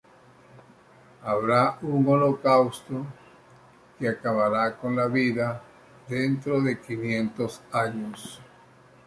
Durante dicha peregrinación perdió a su madre, a su esposa y sus cinco hijos.